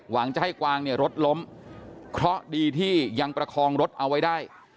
จะให้กวางเนี่ยรถล้มเพราะดีที่ยังประคองรถเอาไว้ได้